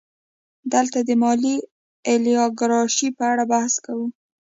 دلته د مالي الیګارشۍ په اړه بحث کوو